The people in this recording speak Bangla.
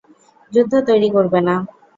যুদ্ধ তৈরি করবে না!